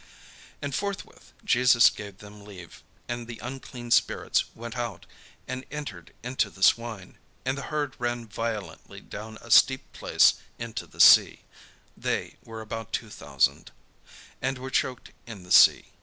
And forthwith Jesus gave them leave. And the unclean spirits went out, and entered into the swine: and the herd ran violently down a steep place into the sea, (they were about two thousand;) and were choked in the sea.